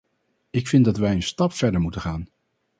Ik vind dat wij een stap verder moeten gaan.